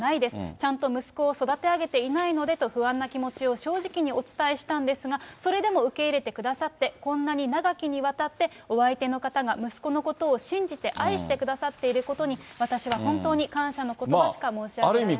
ちゃんと息子を育て上げていないのでと、不安な気持ちを正直にお伝えしたんですが、それでも受け入れてくださって、こんなに長きにわたってお相手の方が息子のことを信じて、愛してくださっていることに、私は本当に感謝のことばしか申し上げられません。